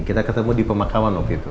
kita ketemu di pemakaman waktu itu